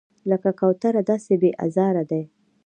لکه کوتره داسې بې آزاره دی.